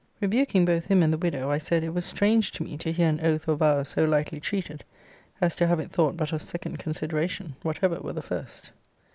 Rebuking both him and the widow, I said, it was strange to me to hear an oath or vow so lightly treated, as to have it thought but of second consideration, whatever were the first.